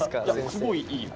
すごいいいよ。